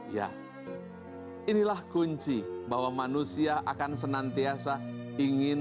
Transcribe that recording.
ya inilah kunci bahwa manusia akan senantiasa ingin